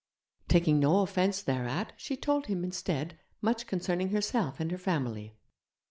Taking no offence thereat, she told him, instead, much concerning herself and her family.